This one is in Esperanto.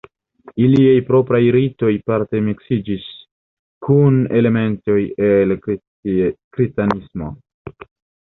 Iliaj propraj ritoj parte miksiĝis kun elementoj el kristanismo.